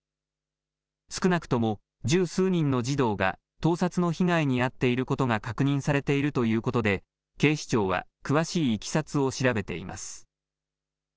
少なくとも十数人の児童が盗撮の被害に遭っていることが確認されているということで警視庁は詳しいいきさつを調べています。